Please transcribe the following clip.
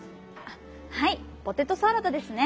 はい「ポテトサラダ」ですね。